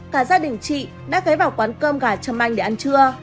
cả gia đình chị đã gấy vào quán cơm gà trầm anh để ăn trưa